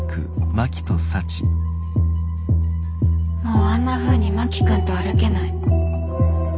もうあんなふうに真木君と歩けない。